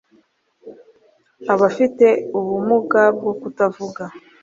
“Abafite ubumuga bwo kutavuga